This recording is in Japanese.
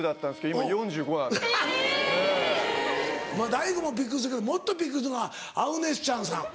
ＤＡＩＧＯもびっくりするけどもっとびっくりするのはアグネス・チャンさん